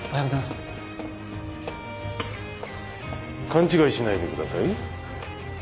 勘違いしないでください。